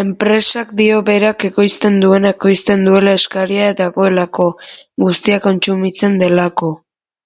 Enpresak dio berak ekoizten duena ekoizten duela eskaria dagoelako, guztia kontsumitzen delako.